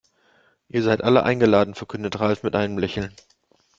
Ihr seid alle eingeladen, verkündete Ralf mit einem Lächeln.